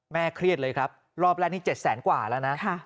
เครียดเลยครับรอบแรกนี้๗แสนกว่าแล้วนะ